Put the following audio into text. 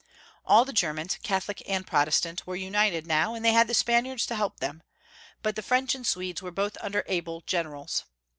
All the Germans, Catholic and Protestant, were united now, and they had the Spaniards to help them, but the French and Swedes were both under able generals.